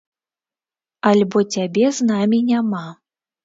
Альбо цябе з намі няма.